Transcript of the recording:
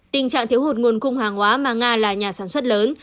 tình trạng thiếu hụt nguồn cung hàng hóa mà nga là nhà sản xuất lớn